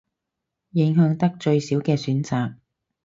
影響得最少嘅選擇